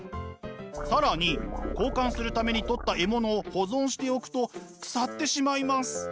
更に交換するために取った獲物を保存しておくと腐ってしまいます。